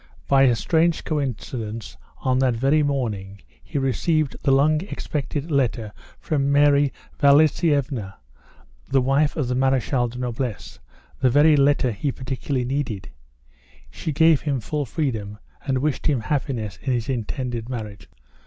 By a strange coincidence on that very morning he received the long expected letter from Mary Vasilievna, the wife of the Marechal de Noblesse, the very letter he particularly needed. She gave him full freedom, and wished him happiness in his intended marriage.